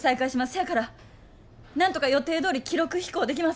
そやからなんとか予定どおり記録飛行できませんか。